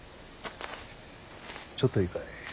ちょっといいかい。